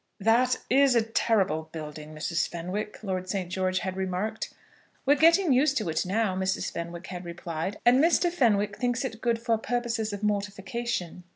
"That is a terrible building, Mrs. Fenwick," Lord St. George had remarked. "We're getting used to it now," Mrs. Fenwick had replied; "and Mr. Fenwick thinks it good for purposes of mortification."